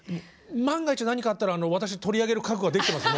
万が一何かあったら私取り上げる覚悟はできてます